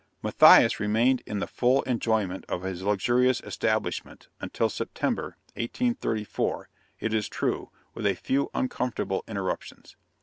Matthias remained in the full enjoyment of his luxurious establishment, until September, 1834, it is true, with a few uncomfortable interruptions.